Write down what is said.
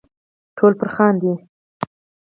ټول پر خاندي .